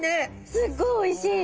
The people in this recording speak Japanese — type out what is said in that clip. すっごいおいしい。